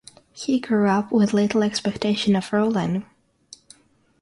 He grew up with little expectation of ruling.